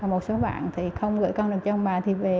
một số bạn thì không gửi con được cho bà thì về